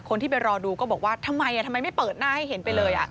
คนที่ไปรอดูก็บอกว่าทำไมทำไมไม่เปิดหน้าให้เห็นไปเลย